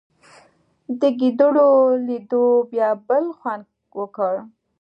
د ګېډړو لیدو بیا بېل خوند وکړ.